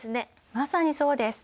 まさにそうです！